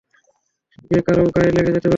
যে কারও গায়ে লেগে যেতে পারে।